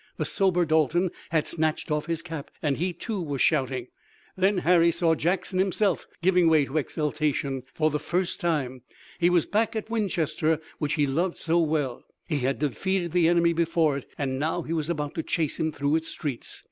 The sober Dalton had snatched off his cap, and he, too, was shouting. Then Harry saw Jackson himself giving way to exultation, for the first time. He was back at Winchester which he loved so well, he had defeated the enemy before it, and now he was about to chase him through its streets.